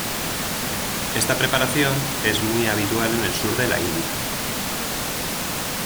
Esta preparación es muy habitual en el Sur de la India.